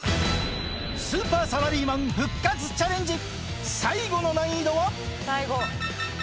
スーパーサラリーマン復活チャレンジ、最後の難易度は。